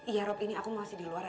iya rob ini aku masih di luar ya